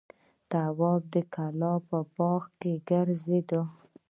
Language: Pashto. تواب د کلا په باغ کې ګرځېده.